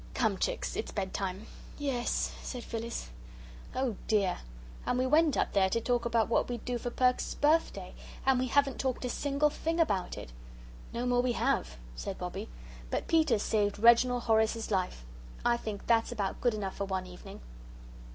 "Come, Chicks. It's bedtime." "Yes," said Phyllis. "Oh dear and we went up there to talk about what we'd do for Perks's birthday. And we haven't talked a single thing about it!" "No more we have," said Bobbie; "but Peter's saved Reginald Horace's life. I think that's about good enough for one evening."